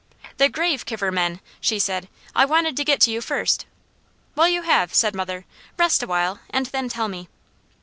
"The grave kiver men," she said. "I wanted to get to you first." "Well, you have," said mother. "Rest a while and then tell me."